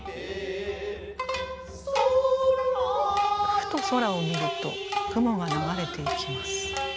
ふと空を見ると雲が流れていきます。